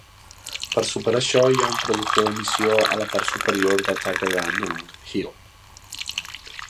Per a superar això, hi ha un traductor d'emissió a la part superior de Tuggeranong Hill.